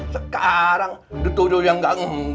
sekarang dituduh yang gak ngembang